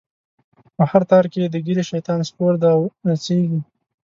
په هر تار کی یی د ږیری، شیطان سپور دی او نڅیږی